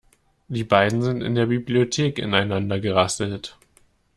Die beiden sind in der Bibliothek ineinander gerasselt.